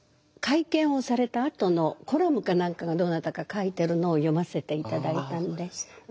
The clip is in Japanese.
会見をされたあとのコラムか何かがどなたか書いてるのを読ませて頂いたんで。